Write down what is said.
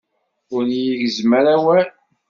Ur yi-gezzem ara awal.